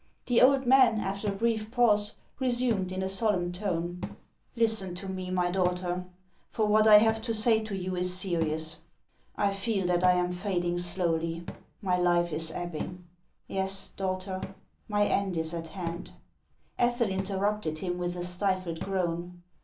The old man, after a brief pause, resumed in a solemn tone :" Listen to me, my daughter; for what I have to say to you is serious. I feel that I am fading slowly ; my life is ebbing. Yes, daughter, my end is at hand." Ethel interrupted him with a stifled groan.